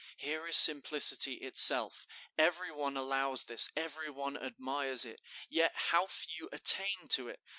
Here is simplicity itself. Every one allows this, every one admires it, yet how few attain to it!